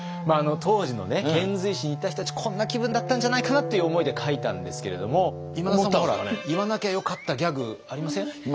当時の遣隋使に行った人たちこんな気分だったんじゃないかなという思いで書いたんですけれども今田さんも言わなきゃよかったギャグありません？